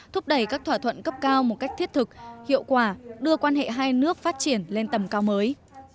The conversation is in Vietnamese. thúc đẩy các thỏa thuận cấp cao một cách thiết thực hiệu quả đưa quan hệ hai nước phát triển lên tầm cao mới